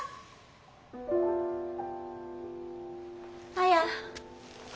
綾。